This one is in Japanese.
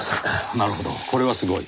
なるほどこれはすごい。